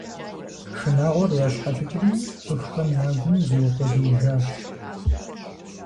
Шынагъуэр ящхьэщыкӀри, цӀыхухэм я гум зиукъуэдиижащ.